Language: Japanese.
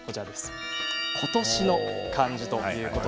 今年の漢字。